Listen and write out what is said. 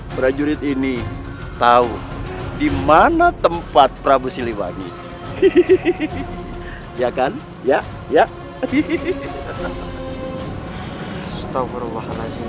prajurit ini tahu di mana tempat prabu siliwangi ya kan ya